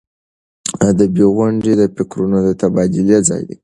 ادبي غونډې د فکرونو د تبادلې ځای دی.